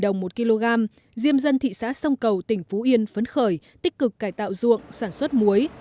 trong tháng năm diêm dân thị xã sông cầu tỉnh phú yên phấn khởi tích cực cải tạo ruộng sản xuất muối